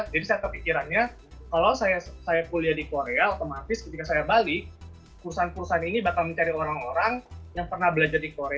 jadi saya kepikirannya kalau saya kuliah di korea otomatis ketika saya balik perusahaan perusahaan ini bakal mencari orang orang yang pernah belajar di korea